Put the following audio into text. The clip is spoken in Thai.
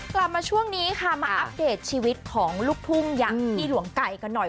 กลับมาช่วงนี้ค่ะมาอัปเดตชีวิตของลูกทุ่งอย่างพี่หลวงไก่กันหน่อย